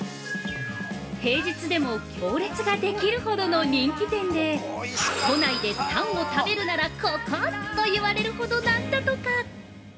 平日でも行列ができるほどの人気店で都内でタンを食べるならここ！と言われるほどなんだとか。